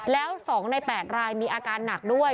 แล้ว๒ใน๘รายมีอาการหนักด้วย